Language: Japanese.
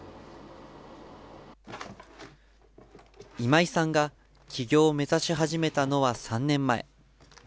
今井さんが起業を目指し始めたのは３年前。